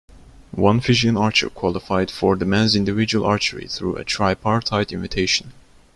One Fijian archer qualified for the men's individual archery through a tripartite invitation.